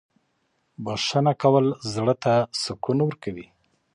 بښنه کول زړه ته سکون ورکوي.